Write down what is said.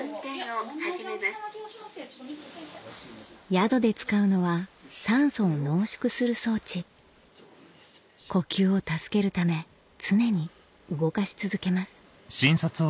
宿で使うのは酸素を濃縮する装置呼吸を助けるため常に動かし続けます